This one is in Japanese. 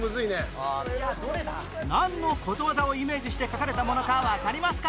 なんのことわざをイメージして描かれたものかわかりますか？